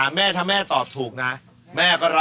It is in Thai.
คำตอบคือ